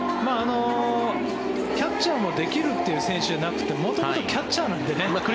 キャッチャーもできるという選手ではなくて元々キャッチャーなんでね。